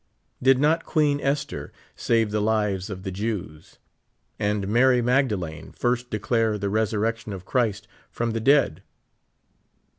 Did not Queen Esther save the lives of the Jews ? And Mary Magdalene first declare the resurrection of Christ from the dead